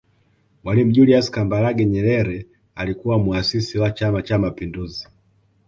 Mwalimu Julius Kambarage Nyerere alikuwa Muasisi wa Chama Cha Mapinduzi